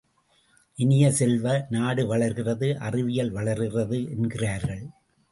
இனிய செல்வ, நாடு வளர்கிறது, அறிவியல் வளர்கிறது என்கிறார்கள்!